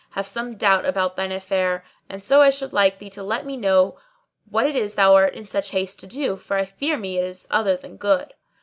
have some doubt about thine affair; and so I should like thee to let me know what it is thou art in such haste to do, for I fear me it is other than good."